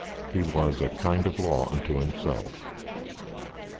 He was a kind of law unto himself.